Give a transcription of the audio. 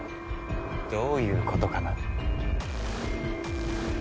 どういうことかな？